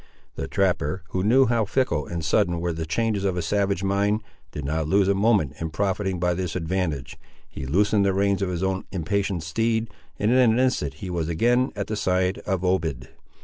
The trapper, who knew how fickle and sudden were the changes of a savage mind, did not lose a moment in profiting by this advantage. He loosened the reins of his own impatient steed, and in an instant he was again at the side of Obed.